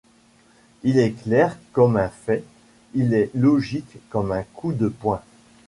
il est clair comme un fait, il est logique comme un coup de poing.